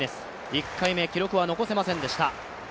１回目記録は残せませんでした。